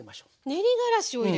練りがらしを入れる。